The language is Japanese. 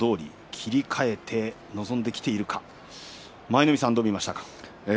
切り替えて臨んできているか舞の海さんはどう見ましたか？